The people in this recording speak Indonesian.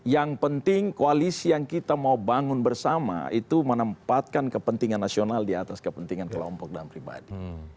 yang penting koalisi yang kita mau bangun bersama itu menempatkan kepentingan nasional di atas kepentingan kelompok dan pribadi